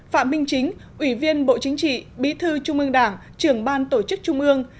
phạm minh chính ủy viên bộ chính trị bị thư trung ương đảng trường ban tổ chức trung ương